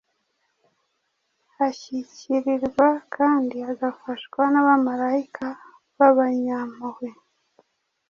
ashyigikirwa kandi agafashwa n’abamarayika b’abanyampuhwe.